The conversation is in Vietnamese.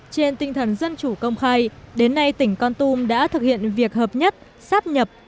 trên tinh thần dân chủ công khai đến nay tỉnh con tum đã thực hiện việc hợp nhất sáp nhập